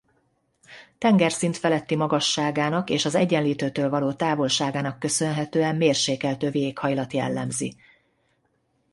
Tengerszint feletti magasságának és az Egyenlítőtől való távolságának köszönhetően mérsékelt övi éghajlat jellemzi.